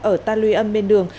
ở ta lùi âm bên đường